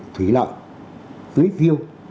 thủy lợi tưới phiêu